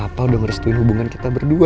papa udah merestuin hubungan kita berdua